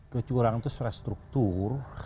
kecurangan itu secara struktur